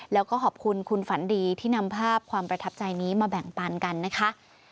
แล้วก็ขอบคุณคุณฝันดีที่นำภาพความประทับใจนี้มาแบ่งปันกันนะคะ